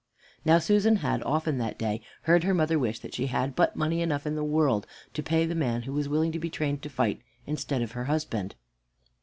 Now Susan had often that day heard her mother wish that she had but money enough in the world to pay to the man who was willing to be trained to fight instead of her husband.